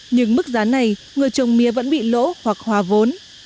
nhưng mức giá này người trồng mía vẫn bị lỗ hoặc hòa vốn